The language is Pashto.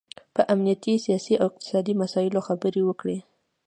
په امنیتي، سیاسي او اقتصادي مسایلو خبرې وکړي